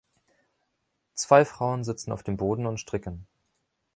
Zwei Frauen sitzen auf dem Boden und stricken.